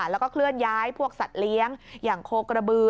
แล้วก็เคลื่อนย้ายพวกสัตว์เลี้ยงอย่างโคกระบือ